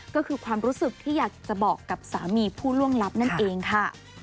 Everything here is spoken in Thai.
ก็คือความรู้สึกที่อยากจะบอกกับสามีผู้ล่วงลับนั่นเองค่ะ